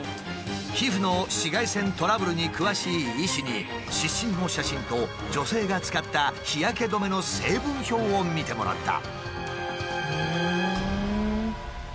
皮膚の紫外線トラブルに詳しい医師に湿疹の写真と女性が使った日焼け止めの成分表を見てもらった。